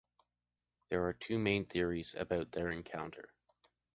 There are two main theories about their encounter.